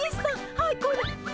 はいこれ。